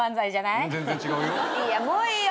いやもういいよ。